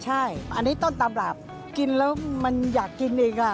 อันนี้ต้นตำราบกินแล้วมันอยากกินเองอ่ะ